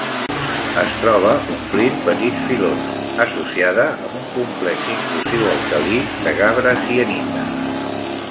Es troba omplint petits filons; associada amb un complex intrusiu alcalí de gabre-sienita.